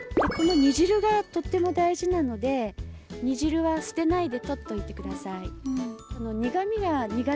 この煮汁がとっても大事なので煮汁は捨てないで取っておいてください。